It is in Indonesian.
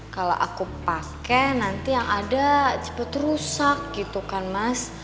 kalau aku pakai nanti yang ada cepet rusak gitu kan mas